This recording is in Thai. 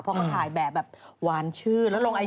เพราะโดนัทเขาเปิดไง